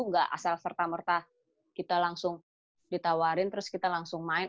nggak asal serta merta kita langsung ditawarin terus kita langsung main